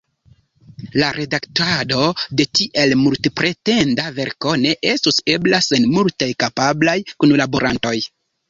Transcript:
La redaktado de tiel multpretenda verko ne estus ebla sen multaj kapablaj kunlaborantoj.